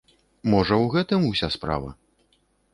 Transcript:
Можа, у гэтым уся справа?